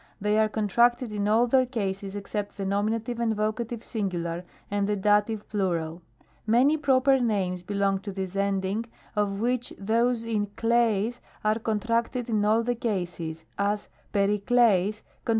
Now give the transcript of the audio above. They are contracted in all their cases except the nom. and voc. sing, and the dat. plur. Many proper names belong to this ending, of which those in xXa r^g are contracted in aU the cases ; as, Hi^c^Xs'Tjg^ cont.